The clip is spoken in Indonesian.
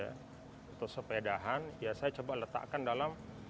untuk sepedahan ya saya coba letakkan dalam